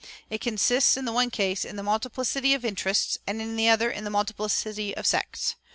It consists, in the one case, in the multiplicity of interests, and, in the other, in the multiplicity of sects.